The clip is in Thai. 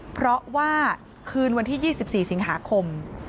เพราะว่าคืนวันที่๒๔สิงหาคม